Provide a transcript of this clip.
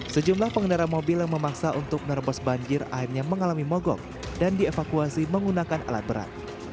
sejumlah pengendara mobil yang memaksa untuk menerobos banjir akhirnya mengalami mogok dan dievakuasi menggunakan alat berat